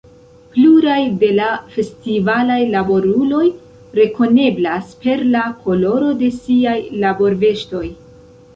Pluraj de la festivalaj laboruloj rekoneblas per la koloro de siaj laborveŝtoj.